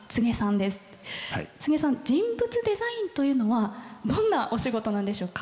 柘植さん人物デザインというのはどんなお仕事なんでしょうか？